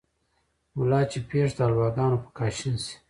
ملا چې پېښ دحلواګانو په کاشين شي